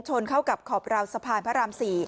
ชนเข้ากับขอบราวสะพานพระราม๔